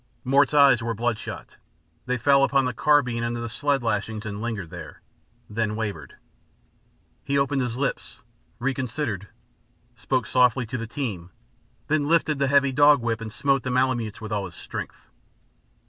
Mort's eyes were bloodshot; they fell upon the carbine under the sled lashings, and lingered there, then wavered. He opened his lips, reconsidered, spoke softly to the team, then lifted the heavy dog whip and smote the Malemutes with all his strength.